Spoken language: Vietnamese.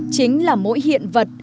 chính là mỗi hiện vật